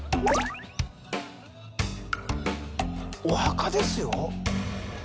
お墓ですよ。